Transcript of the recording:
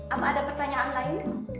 apa ada pertanyaan lain